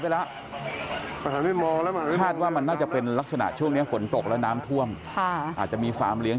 ลุงไม่ใช่ไกรทองจับไม่ไหวจริง